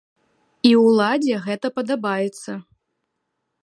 І ўладзе гэта падабаецца.